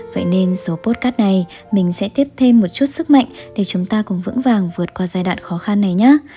vậy nên số podcast này mình sẽ tiếp thêm một chút sức mạnh để chúng ta cũng vững vàng vượt qua giai đoạn khó khăn này nhé